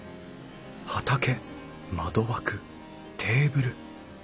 畑窓枠テーブル。